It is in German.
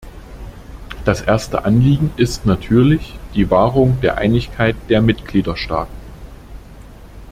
Das erste Anliegen ist natürlich die Wahrung der Einigkeit der Mitgliederstaaten.